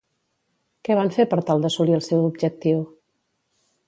Què van fer per tal d'assolir el seu objectiu?